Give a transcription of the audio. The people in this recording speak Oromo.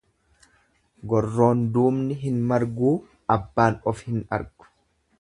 Gorroon duubni hin marguu abbaan of hin argu.